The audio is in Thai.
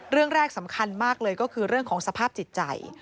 เรื่องแรกสำคัญมากเลยก็คือเรื่องของสภาพจิตใจ